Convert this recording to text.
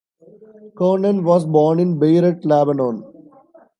Conan was born in Beirut, Lebanon.